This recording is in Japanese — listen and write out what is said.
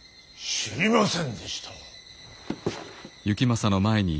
知りませんでした。